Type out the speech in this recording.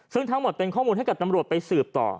ซึ่งทั้งหมดเป็นข้อมูลให้กับตำรวจไปสืบต่อ